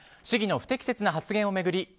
市議の不適切な発言を巡り